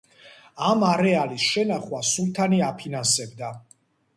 ამ არეალის შენახვას სულთანი აფინანსებდა.